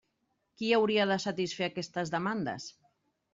Qui hauria de satisfer aquestes demandes?